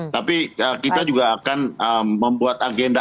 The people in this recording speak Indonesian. tapi kita juga akan membuat agenda